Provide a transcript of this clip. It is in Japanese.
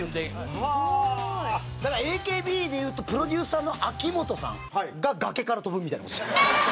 すごい！だからＡＫＢでいうとプロデューサーの秋元さんが崖から飛ぶみたいな事です。